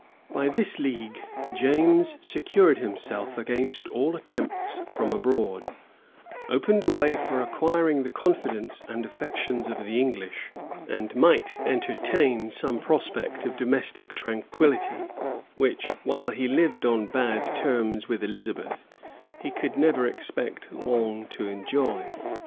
By this league, James secured himself against all attempts from abroad, opened a way for acquiring the confidence and affections of the English, and might entertain some prospect of domestic tranquillity, which, while he lived on bad terms with Elizabeth, he could never expect long to enjoy.